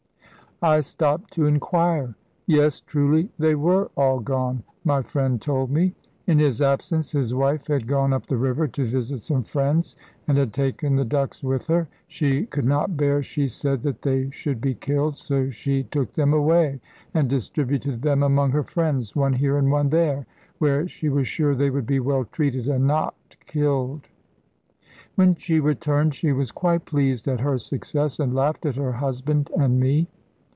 I stopped to inquire. Yes, truly they were all gone, my friend told me. In his absence his wife had gone up the river to visit some friends, and had taken the ducks with her. She could not bear, she said, that they should be killed, so she took them away and distributed them among her friends, one here and one there, where she was sure they would be well treated and not killed. When she returned she was quite pleased at her success, and laughed at her husband and me.